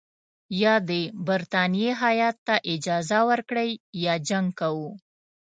یا د برټانیې هیات ته اجازه ورکړئ یا جنګ کوو.